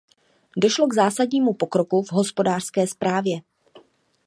Došlo k zásadnímu pokroku v hospodářské správě.